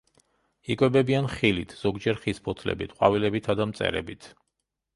იკვებებიან ხილით, ზოგჯერ ხის ფოთლებით, ყვავილებითა და მწერებით.